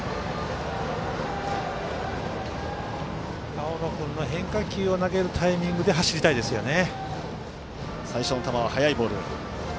青野君の変化球を投げるタイミングで走りたいですよね。